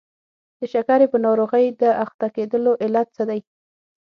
د شکرې په ناروغۍ د اخته کېدلو علت څه دی؟